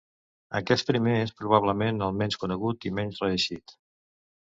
Aquest primer és probablement el menys conegut i menys reeixit.